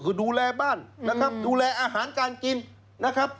คือดูแลบ้านนะครับดูแลอาหารการกินนะครับ